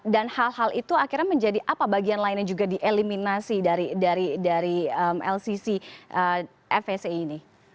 dan hal hal itu akhirnya menjadi apa bagian lainnya juga dieliminasi dari lcc dan fsa ini